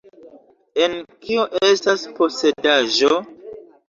En "Kio estas Posedaĵo?